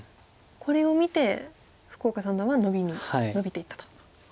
これを見て福岡三段はノビていったと。